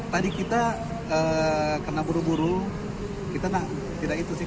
tadi kita karena buru buru kita tidak itu sih